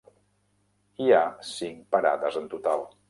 Hi ha cinc parades en total.